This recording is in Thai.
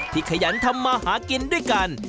ขยันทำมาหากินด้วยกัน